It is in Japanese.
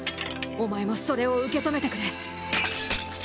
お前もそれを受け止めてくれ。